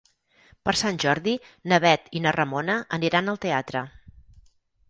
Per Sant Jordi na Bet i na Ramona aniran al teatre.